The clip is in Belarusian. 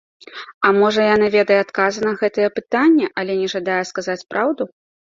А можа, яна ведае адказы на гэтыя пытанні, але не жадае сказаць праўду?